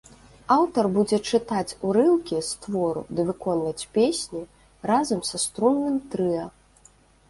Аўтар будзе чытаць урыўкі з твору ды выконваць песні разам са струнным трыа.